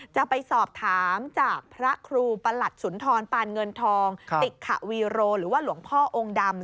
จะไปสอบถามจากพระครูประหลัดสุนทรปานเงินทองติกขวีโรหรือว่าหลวงพ่อองค์ดำ